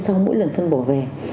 sau mỗi lần phân bổ về